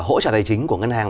hỗ trả tài chính của ngân hàng